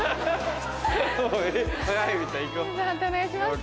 判定お願いします。